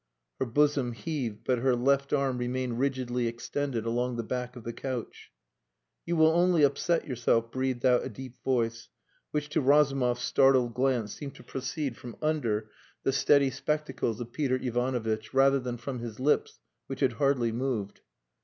Her bosom heaved, but her left arm remained rigidly extended along the back of the couch. "You will only upset yourself," breathed out a deep voice, which, to Razumov's startled glance, seemed to proceed from under the steady spectacles of Peter Ivanovitch, rather than from his lips, which had hardly moved.